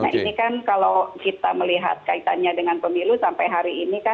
nah ini kan kalau kita melihat kaitannya dengan pemilu sampai hari ini kan